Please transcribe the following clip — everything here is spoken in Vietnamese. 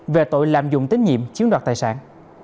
về tội làm dụng tín nhiệm chiếu đoạt tài sản